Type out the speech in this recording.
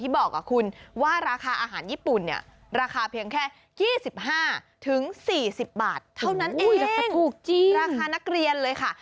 ถูกจริงราคานักเรียนเลยค่ะ